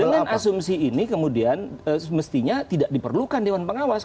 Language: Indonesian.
dengan asumsi ini kemudian mestinya tidak diperlukan dewan pengawas